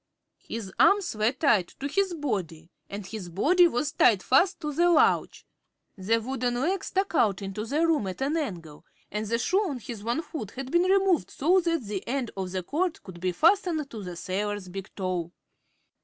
His arms were tied to his body and his body was tied fast to the lounge. The wooden leg stuck out into the room at an angle and the shoe on his one foot had been removed so that the end of the cord could be fastened to the sailor's big toe.